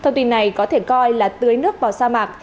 thông tin này có thể coi là tưới nước vào sa mạc